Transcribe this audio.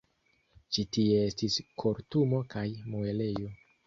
Ĉi tie estis kortumo kaj muelejo.